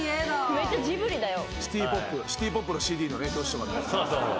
めっちゃジブリだよ。